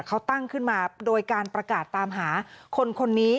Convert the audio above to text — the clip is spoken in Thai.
เขาตั้งขึ้นมาโดยการประกาศตามหาคนคนนี้